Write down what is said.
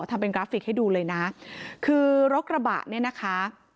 ทำเป็นกราฟิกให้ดูเลยนะคือรถกระบะเนี่ยนะคะ